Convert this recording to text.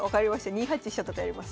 ２八飛車とかやります。